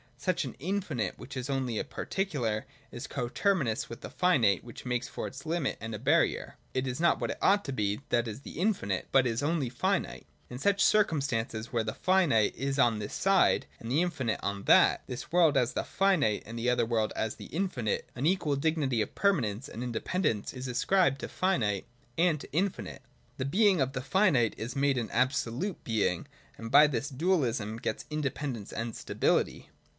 Such an infinite, which is only a par ticular, is co terminous with the finite which makes for it a limit and a barrier : it is not what it ought to be, that is, the infinite, but is only finite. In such circum stances, where the finite is on this side, and the infinite on that, — this world as the finite and the other world as the infinite, — an equal dignity of permanence and inde pendence is ascribed to finite and to infinite. The being of the finite is made an absolute being, and by this dualism gets independence and stability.